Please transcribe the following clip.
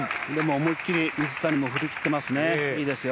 思い切り水谷も振り切ってますね。